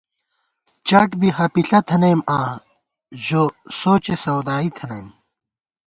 چٹ بی ہَپِݪہ تھنَئیم آں، ژو سوچے سودائی تھنَئیم